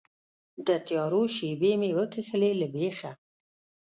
د تیارو شیبې مې وکښلې له بیخه